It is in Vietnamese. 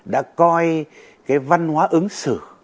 đã coi cái văn hóa ứng xử như là một cái mảng